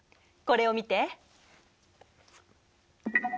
これを見て。